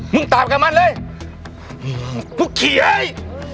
มึงตามกับมันเลย